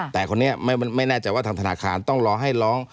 แต่คนนี้ไม่แน่ใจว่าทางธนาคารต้องรอให้ร้อง